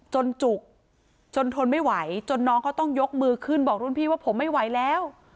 จุกจนทนไม่ไหวจนน้องเขาต้องยกมือขึ้นบอกรุ่นพี่ว่าผมไม่ไหวแล้ว